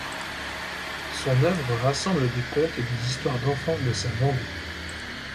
Son œuvre rassemble des contes et des histoires d’enfance de sa Vendée.